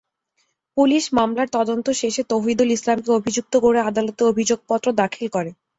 Police মামলার তদন্ত শেষে তৌহিদুল ইসলামকে অভিযুক্ত করে আদালতে অভিযোগপত্র দাখিল করে।